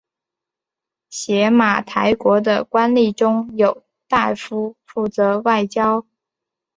邪马台国的官吏中有大夫负责外交。